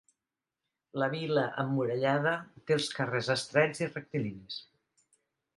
La vila emmurallada té els carrers estrets i rectilinis.